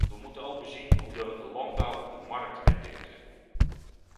We moeten ook bezien hoe de landbouw op de markt rendeert.